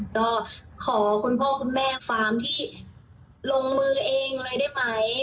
ก็ขอคุณพ่อคุณแม่ฟาร์มที่ลงมือเองเลยได้ไหม